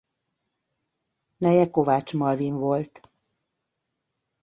Neje Kovács Malvin volt.